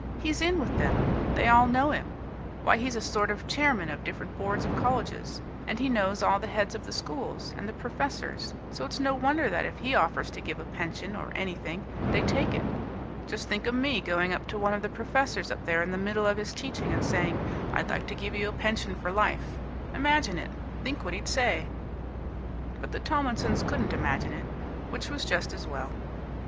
"He's in with them. They all know him. Why, he's a sort of chairman of different boards of colleges, and he knows all the heads of the schools, and the professors, so it's no wonder that if he offers to give a pension, or anything, they take it. Just think of me going up to one of the professors up there in the middle of his teaching and saying; 'I'd like to give you a pension for life!' Imagine it! Think what he'd say!" But the Tomlinsons couldn't imagine it, which was just as well.